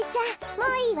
もういいわ。